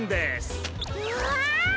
うわ！